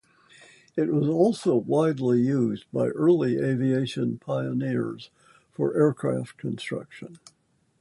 It was also widely used by early aviation pioneers for aircraft construction.